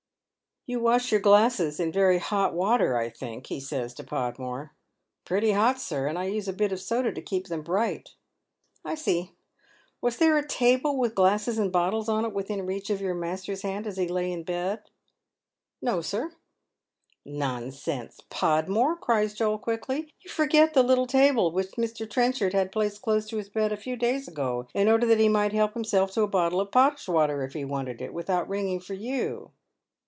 " You wash your glasses in very hot water, I think," he says to Podmore. " Pretty hot, sir. And I use a bit of soda to keep them bright." " I see. Was there a table with glasses and bottles on it within reach of your master's hand as he lay in bed ?"" No, sir." " Nonsense, Podraore !" cries Joel, quickly. " You forget the fittle table which Mx. Trenchard had placed close to his bed a few days ago, in order that he might help himself to a bottle of potash water if he wanted it without ringing for you."